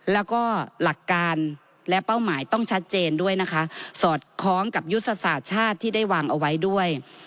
แล้วก็หลักการและเป้าหมายต้องชัดเจนด้วยนะคะสอดคล้องกับยุทธศาสตร์ชาติที่ได้วางเอาไว้ด้วย